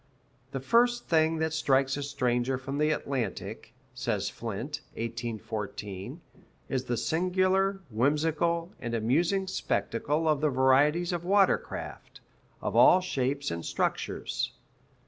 "The first thing that strikes a stranger from the Atlantic," says Flint (1814), "is the singular, whimsical, and amusing spectacle of the varieties of water craft, of all shapes and structures."